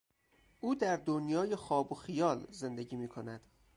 او در دنیای خواب و خیال زندگی میکند.